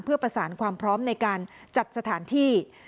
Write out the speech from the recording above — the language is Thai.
เพื่อประสานความพร้อมในการจัดสถานที่